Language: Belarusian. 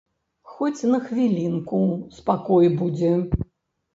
Хоць на хвілінку спакой будзе.